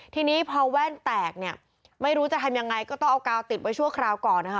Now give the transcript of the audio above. ทีนี้พอแว่นแตกเนี่ยไม่รู้จะทำยังไงก็ต้องเอากาวติดไว้ชั่วคราวก่อนนะคะ